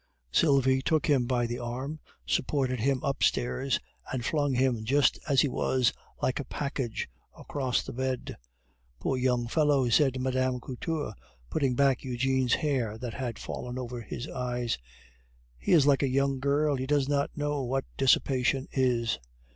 Sylvie took him by the arm, supported him upstairs, and flung him just as he was, like a package, across the bed. "Poor young fellow!" said Mme. Couture, putting back Eugene's hair that had fallen over his eyes; "he is like a young girl, he does not know what dissipation is."